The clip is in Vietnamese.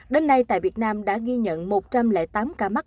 đến nay tại việt nam đã ghi nhận một trăm linh tám ca mắc